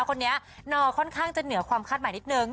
คนนี้นอค่อนข้างจะเหนือความคาดหมายนิดนึง